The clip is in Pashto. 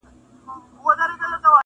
لۀ هر يو کلي تښتېدم لۀ هره ښاره وتم